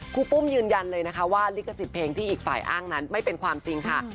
รูปุ้มยืนยันเลยนะคะว่าลิขสิทธิ์เพลงที่อีกฝ่ายอ้างนั้นไม่เป็นความจริงค่ะ